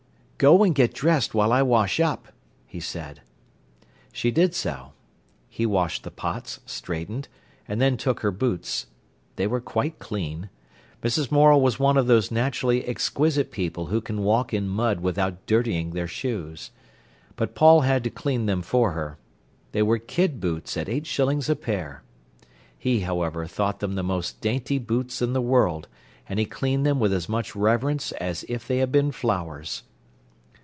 "Go and get dressed while I wash up," he said. She did so. He washed the pots, straightened, and then took her boots. They were quite clean. Mrs. Morel was one of those naturally exquisite people who can walk in mud without dirtying their shoes. But Paul had to clean them for her. They were kid boots at eight shillings a pair. He, however, thought them the most dainty boots in the world, and he cleaned them with as much reverence as if they had been flowers.